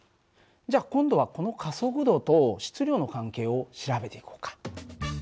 じゃ今度はこの加速度と質量の関係を調べていこうか。